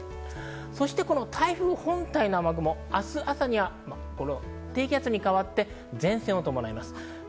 台風本体の雨雲は明日朝に低気圧に変わって前線を伴います。